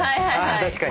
確かに。